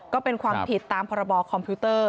ก็เป็นความผิดตามพรบคอมพิวเตอร์